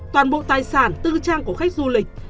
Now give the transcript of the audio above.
toàn bộ tài sản tư trang của khách du lịch